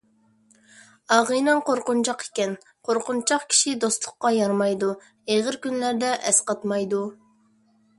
ئاغىنەڭ قورقۇنچاق ئىكەن، قورقۇنچاق كىشى دوستلۇققا يارىمايدۇ، ئېغىر كۈنلەردە ئەسقاتمايدۇ.